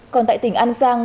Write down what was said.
còn tại tỉnh an giang